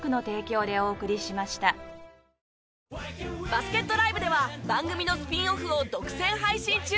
バスケットＬＩＶＥでは番組のスピンオフを独占配信中！